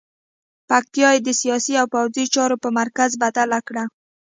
پکتیا یې د سیاسي او پوځي چارو په مرکز بدله کړه.